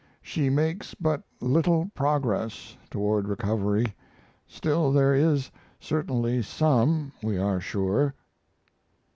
She makes but little progress toward recovery, still there is certainly some, we are sure.